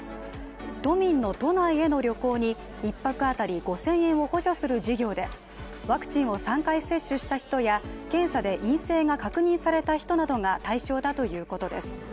都民の都内への旅行に１泊当たり５０００円を補助する事業で、ワクチンを３回接種した人や検査で陰性が確認された人などが対象だということです。